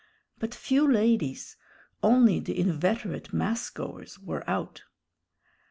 But few ladies, only the inveterate mass goers, were out.